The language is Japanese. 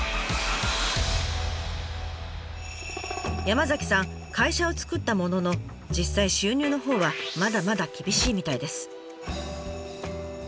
山さん会社を作ったものの実際収入のほうはまだまだ厳しいみたいです。